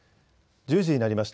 １０時になりました。